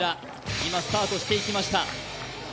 今、スタートしていきました。